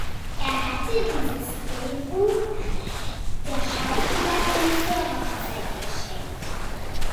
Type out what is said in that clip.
Er hatte dieses Drehbuch der Schauspielerin zur Hochzeit geschenkt.